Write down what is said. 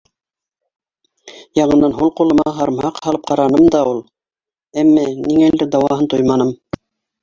Яңынан һул ҡулыма һарымһаҡ һалып ҡараным да ул, әммә ниңәлер дауаһын тойманым.